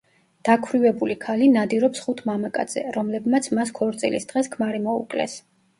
დაქვრივებული ქალი ნადირობს ხუთ მამაკაცზე, რომლებმაც მას ქორწილის დღეს ქმარი მოუკლეს.